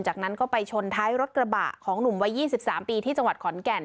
จากนั้นก็ไปชนท้ายรถกระบะของหนุ่มวัย๒๓ปีที่จังหวัดขอนแก่น